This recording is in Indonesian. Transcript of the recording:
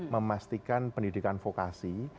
memastikan pendidikan vokasi